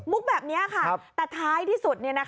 แบบนี้ค่ะแต่ท้ายที่สุด